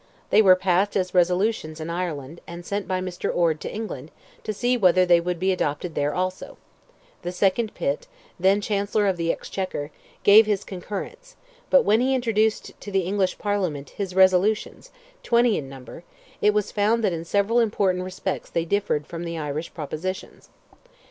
They were passed as resolutions in Ireland, and sent by Mr. Orde to England to see whether they would be adopted there also, the second Pitt, then Chancellor of the Exchequer, gave his concurrence, but when he introduced to the English Parliament his resolutions—twenty in number—it was found that in several important respects they differed from the Irish propositions.